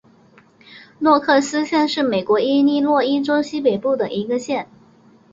诺克斯县是美国伊利诺伊州西北部的一个县。